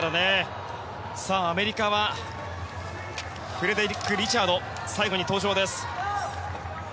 アメリカはフレッド・リチャードが最後に登場です。